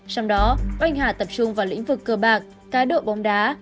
trong đó oanh hà tập trung vào lĩnh vực cơ bạc cá độ bóng đá